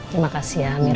terima kasih ya mir